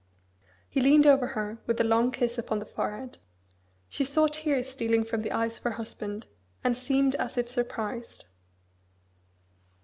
He leaned over her with a long kiss upon the forehead. She saw tears stealing from the eyes of her husband, and seemed as if surprised.